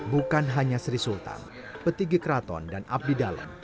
bukan hanya sri sultan peti gikraton dan abdidalam